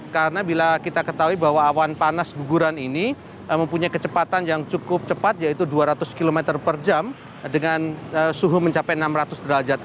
karena bila kita ketahui bahwa awan panas guguran ini mempunyai kecepatan yang cukup cepat yaitu dua ratus km per jam dengan suhu mencapai enam ratus derajat